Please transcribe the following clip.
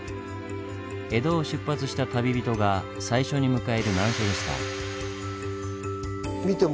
江戸を出発した旅人が最初に迎える難所でした。